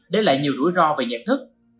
để lại nhiều rủi ro về nhận thức